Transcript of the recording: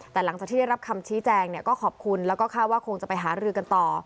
แต่หลังจากที่ได้รับคำชี้แจงก็ขอบคุณแล้วก็คาดว่าคงจะไปหารือกันต่อ